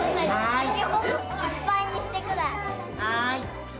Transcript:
いっぱいにしてください。